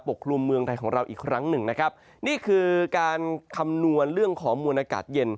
กลุ่มเมืองไทยของเราอีกครั้งหนึ่งนะครับนี่คือการคำนวณเรื่องของมวลอากาศเย็น